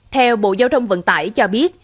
theo bộ giao thông vận tải cho biết